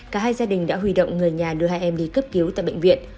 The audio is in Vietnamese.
cả hai gia đình đã huy động người nhà đưa hai em đi cấp cứu tại bệnh viện